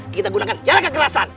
kita gunakan jarak kekerasan